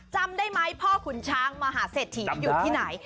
จำได้ไหมพ่อคุณช้างมหาเสธถียุทธ์อยู่ที่ไหน